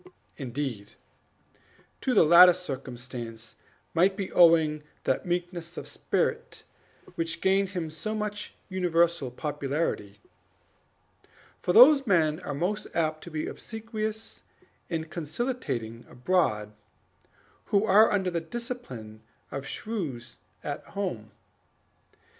Indeed, to the latter circumstance might be owing that meekness of spirit which gained him such universal popularity; for those men are most apt to be obsequious and conciliating abroad, who are under the discipline of shrews at home.